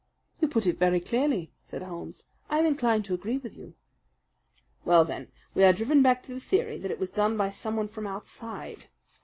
"You put it very clearly," said Holmes. "I am inclined to agree with you." "Well, then, we are driven back to the theory that it was done by someone from outside.